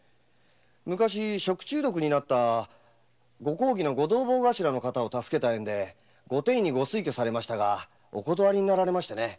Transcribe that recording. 昔食中毒になった御公儀の御同朋頭を助けた縁で御典医にご推挙されましたがお断りになられましてね。